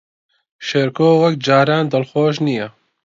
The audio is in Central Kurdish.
شێرکۆ وەک جاران دڵخۆش نییە.